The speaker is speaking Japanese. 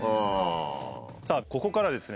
さあここからはですね